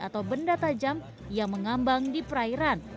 atau benda tajam yang mengambang di perairan